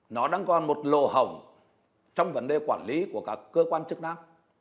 nó đang còn một lồ hổng trong vấn đề quản lý của các cơ quan chức năng